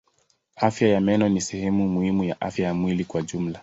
Afya ya meno ni sehemu muhimu ya afya ya mwili kwa jumla.